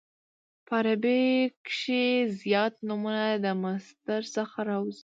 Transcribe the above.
په عربي کښي زیات نومونه د مصدر څخه راوځي.